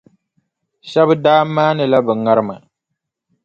Shɛba daa maanila bɛ ŋarima.